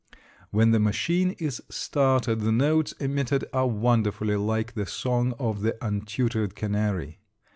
When the machine is started the notes emitted are wonderfully like the song of the untutored canary.